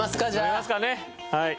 飲みますかねはい。